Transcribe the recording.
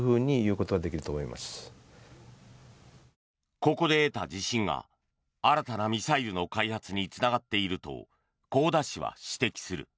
ここで得た自信が新たなミサイルの開発につながっていると香田氏は指摘する。